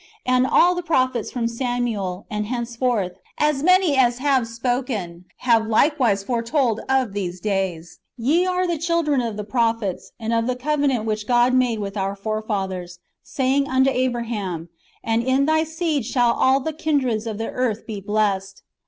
And all [the prophets] from Samuel, and henceforth, as many as have spoken, have like "■.vise foretold of these days. Ye are the children of the pro phets, and of the covenant which God made with our fathers, saying unto Abraham, And in thy seed shall all the kindreds of the earth be blessed.